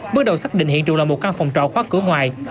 bước đầu xác định hiện trường là một căn phòng trọ khóa cửa ngoài